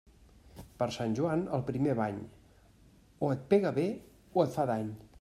Per Sant Joan, el primer bany, o et pega bé o et fa dany.